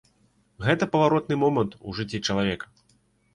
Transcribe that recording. Гэта паваротны момант у жыцці чалавека.